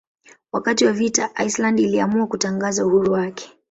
Wakati wa vita Iceland iliamua kutangaza uhuru wake.